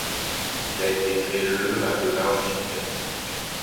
Il a été créé le à Donaueschingen.